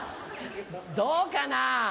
どうかな。